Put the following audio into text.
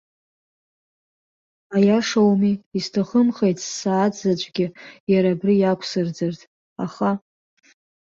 Аиашоуми, исҭахымхеит ссааҭ заҵәгьы иара абри иақәсырӡыр, аха.